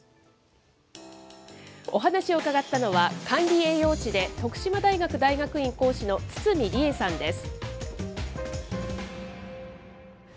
お話を伺ったのは、管理栄養士で徳島大学大学院講師の堤理恵さんです。